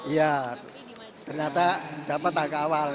ya ternyata dapat angka awal